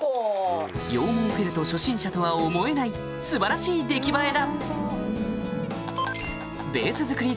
羊毛フェルト初心者とは思えない素晴らしい出来栄えだ！